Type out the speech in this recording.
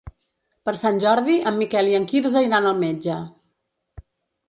Per Sant Jordi en Miquel i en Quirze iran al metge.